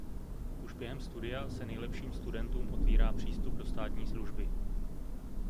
Už během studia se nejlepším studentům otvírá přístup do státní služby.